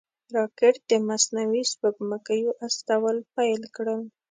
راکټ د مصنوعي سپوږمکیو استول پیل کړل